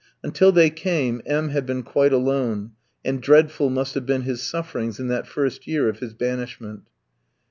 Until they came M tski had been quite alone, and dreadful must have been his sufferings in that first year of his banishment.